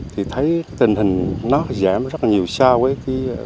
thì thấy có nhiều lực lượng công an huyện huyện đội hạ kiểm lâm tuyến quyền địa phương và ban quân lý